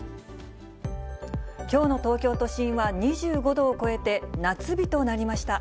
きょうの東京都心は２５度を超えて、夏日となりました。